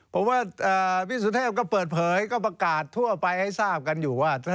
ผมว่าพี่สุเทพก็เปิดเผยก็ประกาศทั่วไปให้ทราบกันอยู่ว่า